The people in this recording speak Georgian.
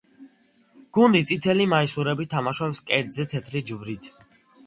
გუნდი წითელი მაისურებით თამაშობს მკერდზე თეთრი ჯვრით.